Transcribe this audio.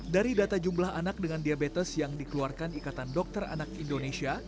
dari data jumlah anak dengan diabetes yang dikeluarkan ikatan dokter anak indonesia